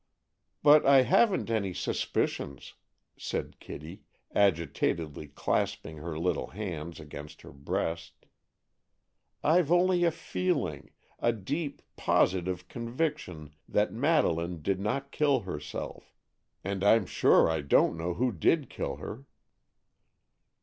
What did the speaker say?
"But I haven't any suspicions," said Kitty, agitatedly clasping her little hands against her breast; "I've only a feeling, a deep, positive conviction, that Madeleine did not kill herself, and I'm sure I don't know who did kill her."